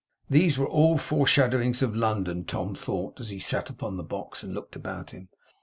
These were all foreshadowings of London, Tom thought, as he sat upon the box, and looked about him.